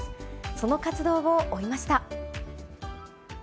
その活動を追いました。